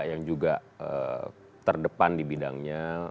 yang juga terdepan di bidangnya